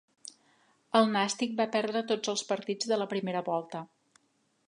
El Nàstic va perdre tots els partits de la primera volta.